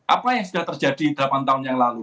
apa yang sudah terjadi delapan tahun yang lalu